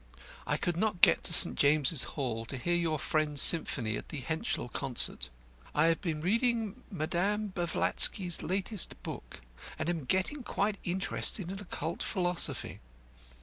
I could not get to St. James's Hall to hear your friend's symphony at the Henschel concert. I have been reading Mme. Blavatsky's latest book, and getting quite interested in occult philosophy.